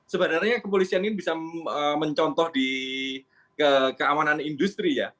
sebenarnya kepolisian ini bisa mencontoh di keamanan industri ya